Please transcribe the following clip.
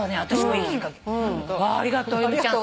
ありがとう由美ちゃん